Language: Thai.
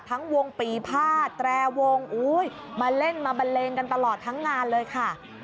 ทั้งวงปีภาษแตรวงมาเล่นมาบันเลงกันตลอดทั้งงานเลยค่ะ